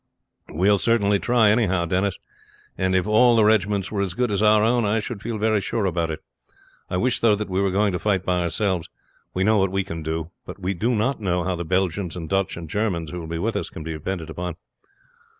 "We will try anyhow, Denis; and if all the regiments were as good as our own I should feel very sure about it. I wish, though, we were going to fight by ourselves; we know what we can do, but we do not know how the Belgians and Dutch and Germans who will be with us can be depended upon."